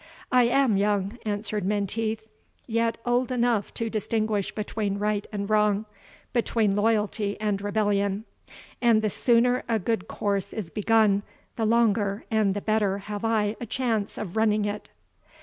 "I am young," answered Menteith, "yet old enough to distinguish between right and wrong, between loyalty and rebellion; and the sooner a good course is begun, the longer and the better have I a chance of running it."